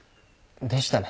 でしたね